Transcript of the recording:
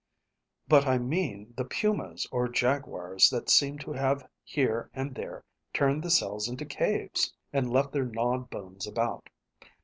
"But I mean the pumas or jaguars that seem to have here and there turned the cells into caves, and left their gnawed bones about.